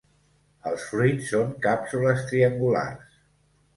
Els fruits són càpsules triangulars.